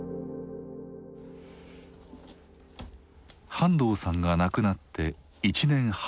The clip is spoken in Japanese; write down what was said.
半藤さんが亡くなって１年半。